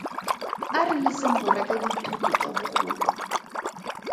A re leseng go reka dithoto tsa bogodu.